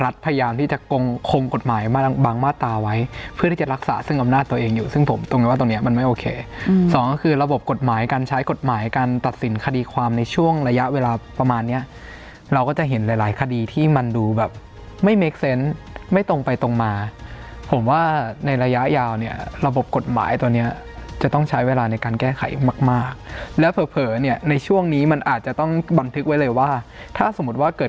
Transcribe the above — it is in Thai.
สองก็คือระบบกฎหมายการใช้กฎหมายการตัดสินคดีความในช่วงระยะเวลาประมาณเนี้ยเราก็จะเห็นหลายหลายคดีที่มันดูแบบไม่เมคเซนต์ไม่ตรงไปตรงมาผมว่าในระยะยาวเนี้ยระบบกฎหมายตัวเนี้ยจะต้องใช้เวลาในการแก้ไขมากมากแล้วเผลอเผลอเนี้ยในช่วงนี้มันอาจจะต้องบันทึกไว้เลยว่าถ้าสมมุติว่าเกิด